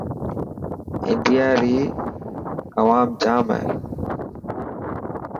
انڊيا ري اوام جام هي.